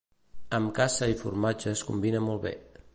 Amb caça i formatges combina molt bé.